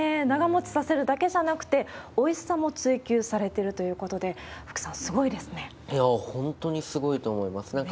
長持ちさせるだけじゃなくて、おいしさも追求されているということで、福さん、いやー、本当にすごいと思います。